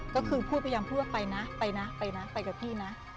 ก็คือพยายามพูดว่าไปนะไปกับพี่นะ